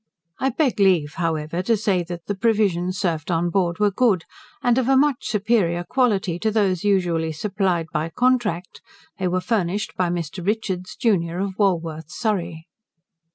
I beg leave, however, to say, that the provisions served on board were good, and of a much superior quality to those usually supplied by contract: they were furnished by Mr. Richards, junior, of Walworth, Surrey.